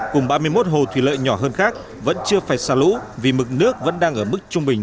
cùng ba mươi một hồ thủy lợi nhỏ hơn khác vẫn chưa phải xả lũ vì mực nước vẫn đang ở mức trung bình